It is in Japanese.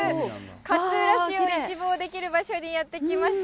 勝浦市を一望できる場所にやって来ました。